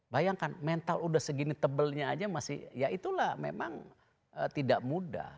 bayangkan mental udah segini tebelnya aja masih ya itulah memang tidak mudah